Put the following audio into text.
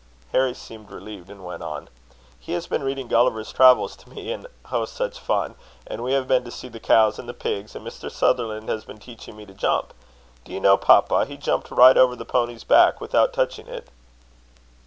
Harry seemed relieved, and went on: "He has been reading Gulliver's Travels to me oh, such fall! And we have been to see the cows and the pigs; and Mr. Sutherland has been teaching me to jump. Do you know, papa, he jumped right over the pony's back without touching it."